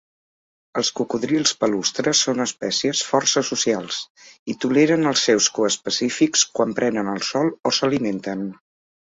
Els cocodrils palustre són espècies força socials i toleren els seus coespecífics quan prenen el sol o s'alimenten.